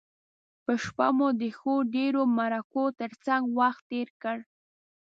په شپه مو د ښو ډیرو مرکو تر څنګه وخت تیر کړ.